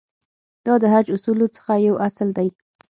دا د حج اصولو څخه یو اصل دی.